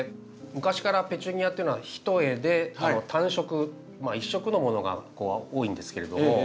昔からペチュニアっていうのは一重で単色一色のものが多いんですけれども。